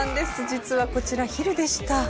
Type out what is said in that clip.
実はこちらヒルでした。